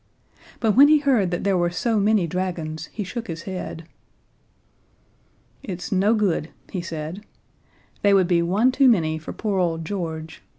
But when he heard that there were so many dragons he shook his head. "It's no good," he said, "they would be one too many for poor old George.